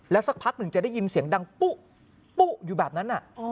สักพักหนึ่งจะได้ยินเสียงดังปุ๊อยู่แบบนั้น